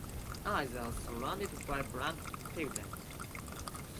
Eyes are surrounded by black pigment.